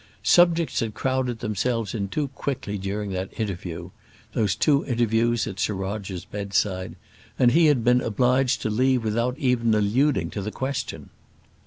Subjects had crowded themselves in too quickly during that interview those two interviews at Sir Roger's bedside; and he had been obliged to leave without even alluding to the question.